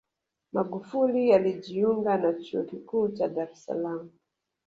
Magufuli alijiunga na Chuo Kikuu cha Dar es Salaam